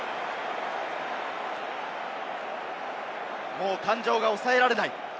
もう感情が抑えられない。